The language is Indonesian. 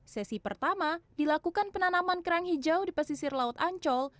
sesi pertama dilakukan penanaman kerang hijau di pesisir laut ancol